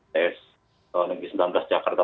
tes sembilan belas jakarta